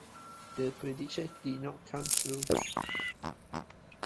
This prediction did not come true.